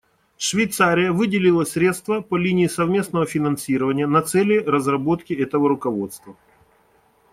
Швейцария выделила средства по линии совместного финансирования на цели разработки этого руководства.